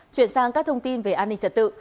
chuyển sang các thông tin về an ninh trật tự